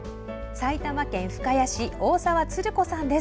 埼玉県深谷市大澤つる子さんです。